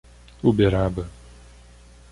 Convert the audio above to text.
Uberaba